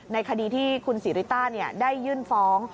ในคดีที่คุณศรีริต้าได้ยื่นฟ้อง